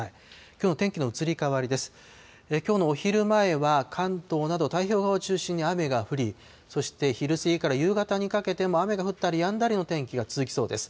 きょうのお昼前は、関東など太平洋側を中心に雨が降り、そして、昼過ぎから夕方にかけても、雨が降ったりやんだりの天気が続きそうです。